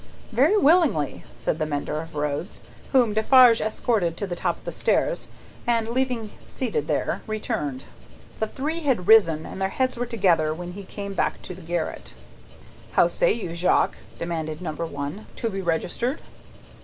"Very willingly," said the mender of roads. Whom Defarge escorted to the top of the stairs, and, leaving seated there, returned. The three had risen, and their heads were together when he came back to the garret. "How say you, Jacques?" demanded Number One. "To be registered?"